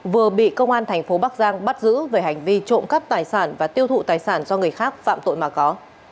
vừa bị công an thành phố bắc giang bắt giữ về hành vi trộm cắp tài sản và tiêu thụ tài sản do người khác phạm tội mà có